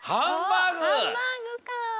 ハンバーグかあ。